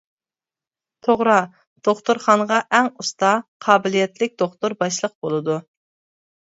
توغرا، دوختۇرخانىغا ئەڭ ئۇستا، قابىلىيەتلىك دوختۇر باشلىق بولىدۇ.